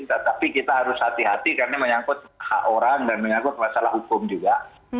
tetapi kita harus hati hati karena menyangkut hak orang dan menyangkut masalah hukum juga